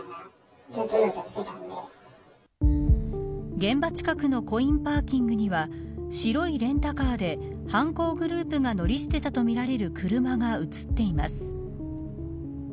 現場近くのコインパーキングには白いレンタカーで犯行グループが乗り捨てたとみられる車が映っています。